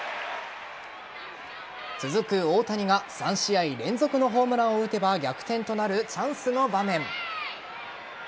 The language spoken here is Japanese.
続く大谷が３試合連続のホームランを打てば逆転となるチャンスの場面。